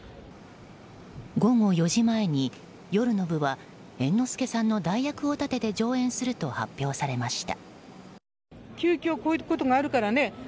午後４時前に、夜の部は猿之助さんの代役を立てて上演すると発表されました。